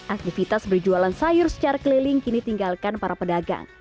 aktivitas berjualan sayur secara keliling kini tinggalkan para pedagang